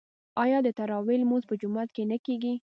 آیا د تراويح لمونځ په جومات کې نه کیږي؟